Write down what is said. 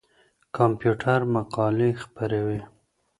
کمپيوټر مقالې خپروي.